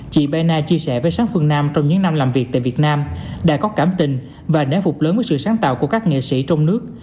chị bayna chia sẻ với sáng phương nam trong những năm làm việc tại việt nam đã có cảm tình và nén phục lớn với sự sáng tạo của các nghệ sĩ trong nước